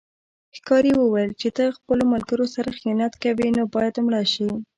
ښکاري وویل چې ته خپلو ملګرو سره خیانت کوې نو باید مړه شې.